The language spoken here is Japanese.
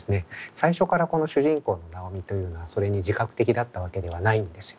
最初からこの主人公の尚美というのはそれに自覚的だったわけではないんですよね。